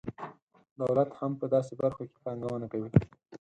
دولت هم په داسې برخو کې پانګونه کوي.